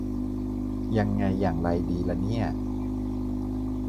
ยังไงอย่างไรดีละเนี่ย